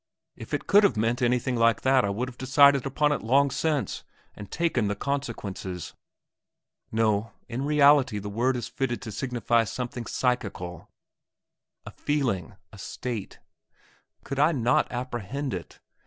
If it could have meant anything like that I would have decided upon it long since and taken the consequences." No; in reality the word is fitted to signify something psychical, a feeling, a state. Could I not apprehend it?